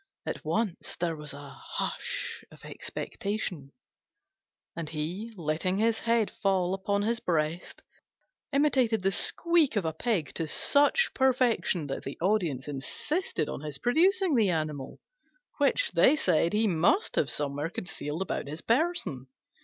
At once there was a hush of expectation: and he, letting his head fall upon his breast, imitated the squeak of a pig to such perfection that the audience insisted on his producing the animal, which, they said, he must have somewhere concealed about his person.